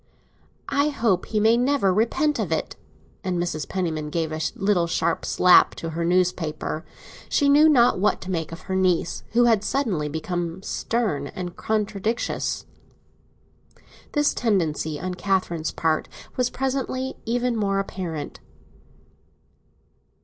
"I hope he may never repent of it!" And Mrs. Penniman gave a little sharp slap to her newspaper. She knew not what to make of her niece, who had suddenly become stern and contradictious. This tendency on Catherine's part was presently even more apparent.